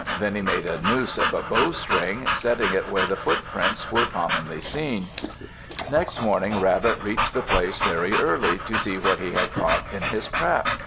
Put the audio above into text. Then he made a noose of a bowstring, setting it where the footprints were commonly seen. Next morning Rabbit reached the place very early, to see what he had caught in his trap.